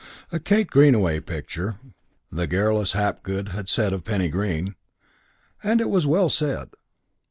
III A Kate Greenaway picture, the garrulous Hapgood had said of Penny Green; and it was well said.